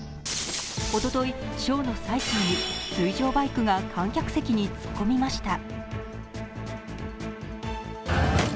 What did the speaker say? おととい、ショーの最中に水上バイクが観客席に突っ込みました。